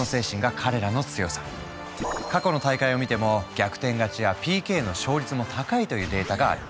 過去の大会を見ても逆転勝ちやＰＫの勝率も高いというデータがある。